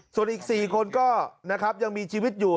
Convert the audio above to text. ส่วนอีก๔คนก็นะครับยังมีชีวิตอยู่